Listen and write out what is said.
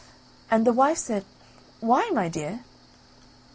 And the wife said: "Why, my dear?"